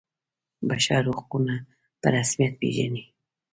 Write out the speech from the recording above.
بشر حقونه په رسمیت پيژني.